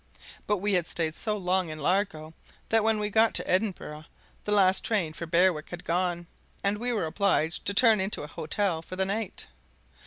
But we had stayed so long in Largo that when we got to Edinburgh the last train for Berwick had gone, and we were obliged to turn into an hotel for the night.